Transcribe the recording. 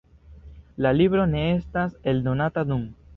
La libro ne estas eldonata nun.